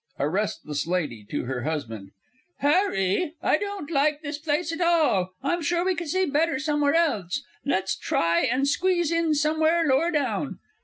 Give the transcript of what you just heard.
A RESTLESS LADY (to her husband). Harry, I don't like this place at all. I'm sure we could see better somewhere else. Do let's try and squeeze in somewhere lower down....